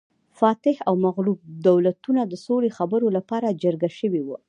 فاتح او مغلوب دولتونه د سولې خبرو لپاره جرګه شوي وو